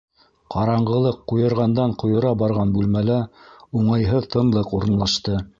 Ҡараңғылыҡ ҡуйырғандан-ҡуйыра барған бүлмәлә уңайһыҙ тынлыҡ урынлашты.